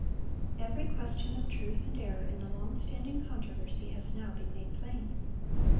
(1162) Every question of truth and error in the long standing controversy has now been made plain.